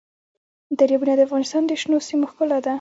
دریابونه د افغانستان د شنو سیمو ښکلا ده.